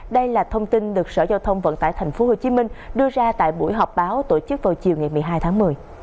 đây là thông tin được sở giao thông vận tải tp hcm đưa ra tại buổi họp báo tổ chức vào chiều ngày một mươi hai tháng một mươi